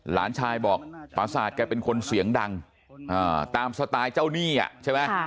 หลานชายบอกประสาทแกเป็นคนเสียงดังตามสไตล์เจ้าหนี้ใช่ไหม